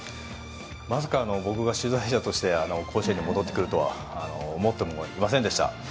まさか僕が取材者として甲子園に戻ってくるとは思ってもいませんでした。